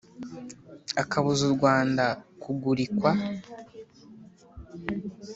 akabuza u rwanda kugurikwa.